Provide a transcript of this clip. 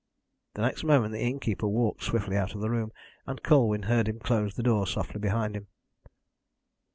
The next moment the innkeeper walked swiftly out of the room, and Colwyn heard him close the door softly behind him.